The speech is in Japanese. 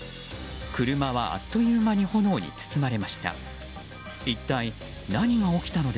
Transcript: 車は、あっという間に炎に包まれました。